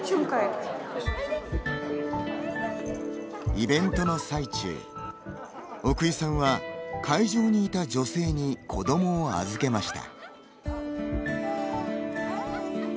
イベントの最中奧井さんは会場にいた女性に子どもを預けました。